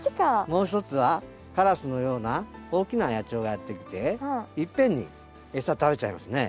もう一つはカラスのような大きな野鳥がやって来て一遍に餌食べちゃいますね。